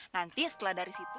nanti setelah dari situ